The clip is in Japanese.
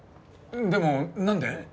でも何で？